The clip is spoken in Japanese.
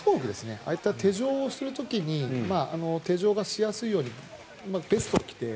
ああいった手錠をする時に手錠がしやすいようにベストを着て。